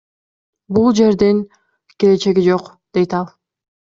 Бул жердин келечеги жок, — дейт ал.